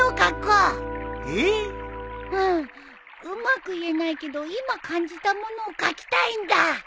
うまく言えないけど今感じたものを描きたいんだ。